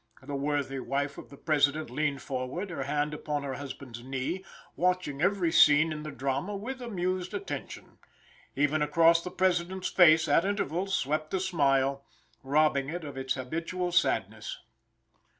The worthy wife of the President leaned forward, her hand upon her husband's knee, watching every scene in the drama with amused attention. Even across the President's face at intervals swept a smile, robbing it of its habitual sadness.